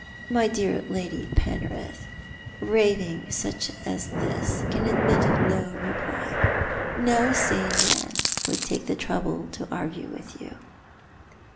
My dear Lady Penrith, raving such as this can admit of no reply. No sane man would take the trouble to argue with you."